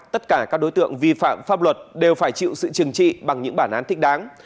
tất cả các đối tượng vi phạm pháp luật đều phải chịu sự trừng trị bằng những bản án thích đáng